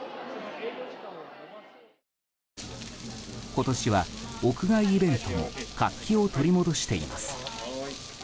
今年は屋外イベントも活気を取り戻しています。